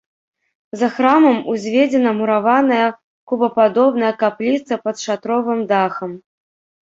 За храмам узведзена мураваная кубападобная капліца пад шатровым дахам.